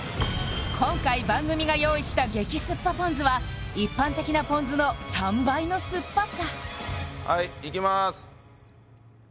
今回番組が用意した激酸っぱポン酢は一般的なポン酢の３倍の酸っぱさはいいきまーす